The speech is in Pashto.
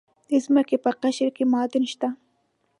د ځمکې په قشر کې معادن شته.